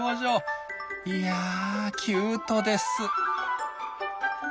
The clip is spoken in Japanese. いやキュートです。